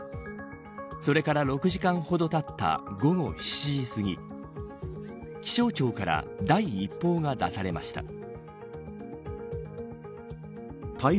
それから６時間ほどたった午後７時すぎ気象庁から第一報が出されました。